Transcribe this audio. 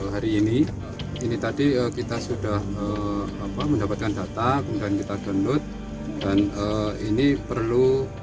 hari ini ini tadi kita sudah mendapatkan data kemudian kita download dan ini perlu